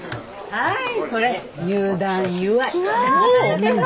はい。